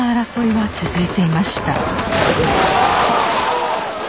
はい！